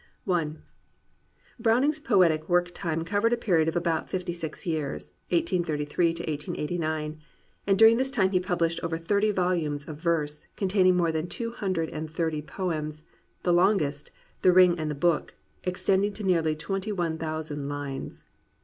I Browning's poetic work time covered a period of about fifty six years, (1833 1889,) and during this time he pubhshed over thirty volumes of verse, containing more than two hundred and thirty poems, the longest. The Ring and the Book, extending to nearly twenty one thousand lines.